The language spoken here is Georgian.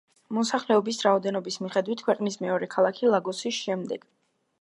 მოსახლეობის რაოდენობის მიხედვით ქვეყნის მეორე ქალაქი ლაგოსის შემდეგ.